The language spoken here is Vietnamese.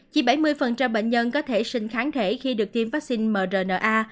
chỉ bảy mươi bệnh nhân có thể sinh kháng thể khi được tiêm vaccine mrna